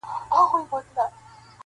خدای دي نه کړي مفکوره مي سي غلامه,